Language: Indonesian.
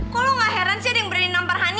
kok lo gak heran sih ada yang berani nampar honey